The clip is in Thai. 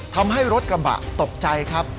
ทำให้รถกระบะตกใจครับ